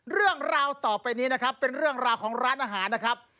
เรื่องราวต่อไปนี้นะครับเป็นเรื่องราวของร้านอาหารนะครับ